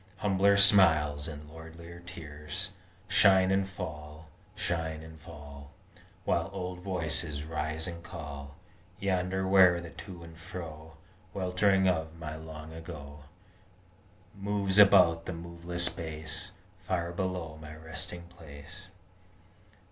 Humbler smiles and lordlier tears Shine and fall, shine and fall, While old voices rise and call Yonder where the to and fro Weltering of my Long Ago Moves about the moveless base Far below my resting place.